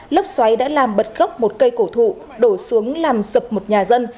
lốc xoáy đã làm bật gốc một cây cổ thụ đổ xuống làm sập một nhà dân